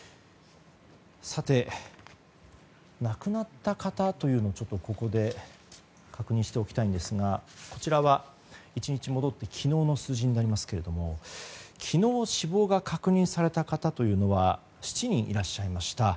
さて、亡くなった方というのをここで確認しておきたいんですがこちらは１日戻って昨日の数字になりますが昨日死亡が確認された方は７人いらっしゃいました。